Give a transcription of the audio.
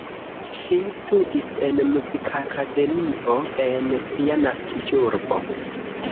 Ŝi studis en Muzikakademio en sia naskiĝurbo.